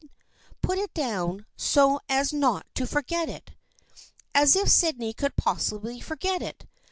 Put it down, so as not to forget it." As if Sydney could possibly forget it